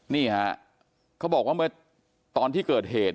นี่ฮะเขาบอกว่าเมื่อตอนที่เกิดเหตุ